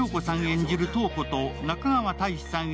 演じる塔子と中川大志さん